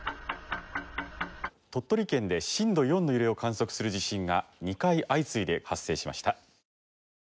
鳥取県で震度４の揺れを観測する地震が２回相次いで発生しました。